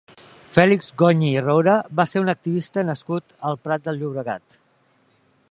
Fèlix Goñi i Roura va ser un activista nascut al Prat de Llobregat.